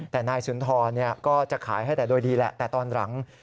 แต่นายสุนทรก็จะขายให้แต่โดยดีแหละแต่ตอนหลัง